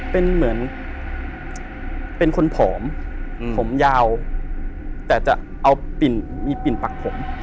เป็นเหมือนเป็นคนผอมผมยาวแต่จะเอามีปิ่นปักผม